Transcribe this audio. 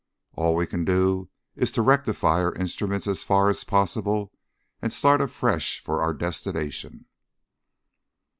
All we can do is to rectify our instruments as far as possible and start afresh for our destination.